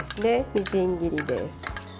みじん切りです。